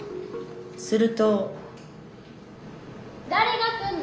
するとだれが来んの？